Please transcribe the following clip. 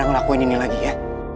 jangan lakukan ini lagi ya